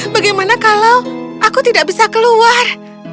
bagaimana kalau aku tidak bisa keluar